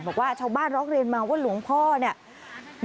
บอกว่าชาวบ้านร้องเรียนมาว่าหลวงพ่อเนี่ย